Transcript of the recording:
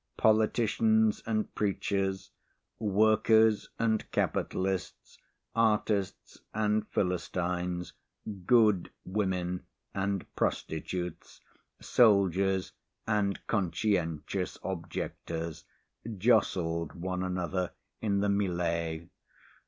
Politicians and preachers, workers and capitalists, artists and philistines, "good" women and prostitutes, soldiers and conscientious objectors jostled one another in the mêlée.